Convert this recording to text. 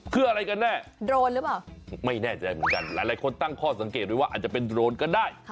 คืออะไรกันแน่ไม่แน่ใจเหมือนกันหลายคนตั้งข้อสังเกตดูว่าอาจจะเป็นโดรนก็ได้